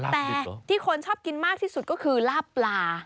แต่ที่คนชอบกินมากที่สุดก็คือลาบปลา